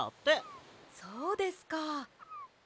そうですか。